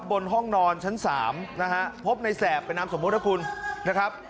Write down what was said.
บนห้องนอนชั้น๓นะฮะพบในแสบเป็นนามสมมุตินะคุณนะครับ